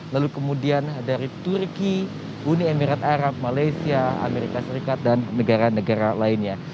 lalu kemudian dari turki uni emirat arab malaysia amerika serikat dan negara negara lainnya